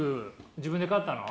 自分で買ったの？